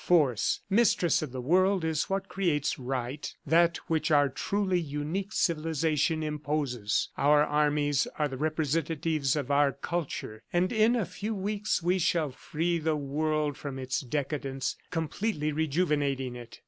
Force, mistress of the world, is what creates right, that which our truly unique civilization imposes. Our armies are the representatives of our culture, and in a few weeks we shall free the world from its decadence, completely rejuvenating it."